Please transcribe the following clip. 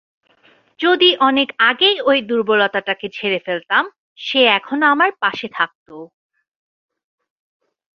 যদি অনেক আগেই ওই দূর্বলতাটাকে ঝেরে ফেলতাম, সে এখনো আমার পাশে থাকতো!